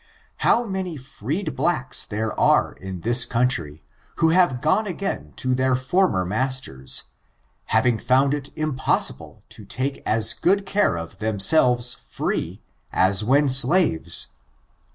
How many freed blacks there are in this country, who have gone again to their former masters, having found it impossible to take as good care of themselves free, as when slaves.